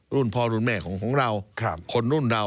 รุ่นพ่อรุ่นแม่ของเราคนรุ่นเรา